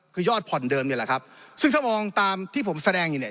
คือยอดผ่อนเดิมนี่แหละครับซึ่งถ้ามองตามที่ผมแสดงอยู่เนี่ย